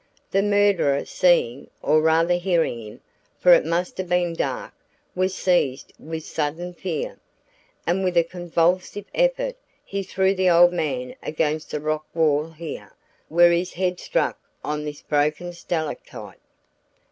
The murderer seeing or rather hearing him, for it must have been dark was seized with sudden fear, and with a convulsive effort he threw the old man against the rock wall here, where his head struck on this broken stalactite.